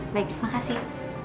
baik terima kasih